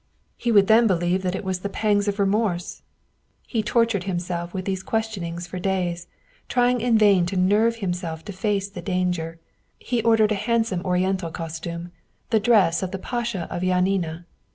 He would then believe that it was the pangs of remorse !" He tortured himself with these ques tionings for days, trying in vain to nerve himself to face the danger. He ordered a handsome Oriental costume, the dress of the Pasha of Janina.